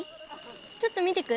ちょっと見てく？